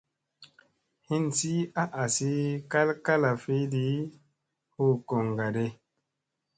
Hinsi a asi kal kalfiɗi hu goŋga di.